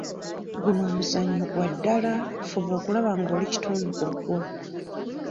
Guno omuzannyo gwa ddala, fuba okulaba ng'oli kitundu ku gwo.